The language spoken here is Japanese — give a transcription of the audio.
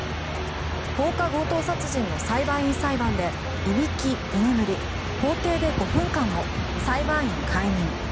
放火強盗殺人の裁判員裁判でいびき、居眠り法廷で５分間も裁判員解任。